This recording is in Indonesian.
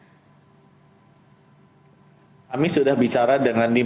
kami sudah bicara dengan di